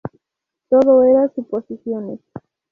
Todo era suposiciones.